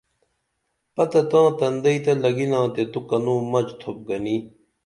پتہ تاں تندئی تہ لگِنا تے تو کنوں مچ تھوپ گھنی